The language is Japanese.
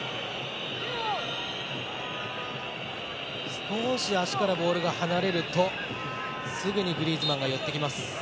少し足からボールが離れるとすぐにグリーズマンが寄ってきます。